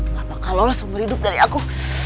gak bakal lolos seumur hidup dari aku